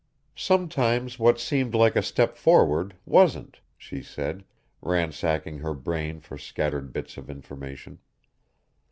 "Sometimes what seemed like a step forward wasn't," she said, ransacking her brain for scattered bits of information.